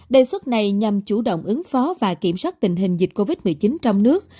đề xuất này nhằm chủ động ứng phó và kiểm soát tình hình dịch covid một mươi chín trong nước